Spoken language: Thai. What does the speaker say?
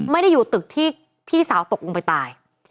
ไม่ได้อยู่ตึกที่พี่สาวตกลงไปตาย